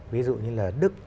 ví dụ như là đức